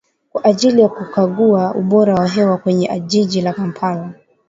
Kwa ajili ya kukagua ubora wa hewa kwenye jiji la Kampala